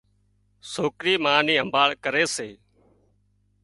سوڪري ما نِي همڀاۯ ڪري سي